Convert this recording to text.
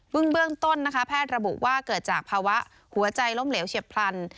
เบื้องต้นนะคะแพทย์ระบุว่าเกิดจากภาวะหัวใจล้มเหลวเฉียบพลัน